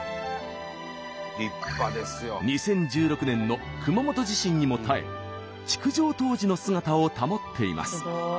２０１６年の熊本地震にも耐え築城当時の姿を保っています。